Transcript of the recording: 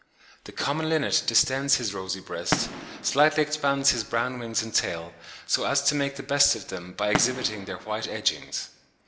The common linnet distends his rosy breast, slightly expands his brown wings and tail, so as to make the best of them by exhibiting their white edgings.